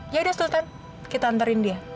yaudah sultan kita antarin dia